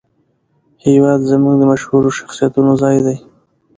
هېواد زموږ د مشهورو شخصیتونو ځای دی